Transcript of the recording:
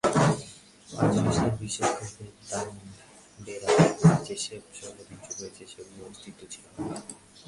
আর জনগণ বিশ্বাস করবে দানবেরা সেসব শহর ধ্বংস করেছে, যেগুলোর অস্তিত্বই ছিল না।